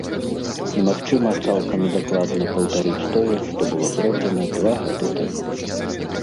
Немагчыма цалкам і дакладна паўтарыць тое, што было зроблена два гады таму.